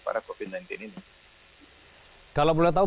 kalau boleh tahu berapa anggaran yang dikeluarkan oleh pemerintah sekolah ini